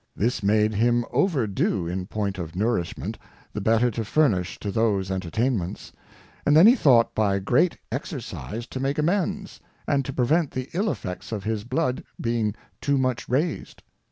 This made him overdo in point of Nourishment, the better to furnish to those Entertainments ; and then he thought by great Exercise to make Amends, and to prevent the ill Effects of his Blood being too much raised.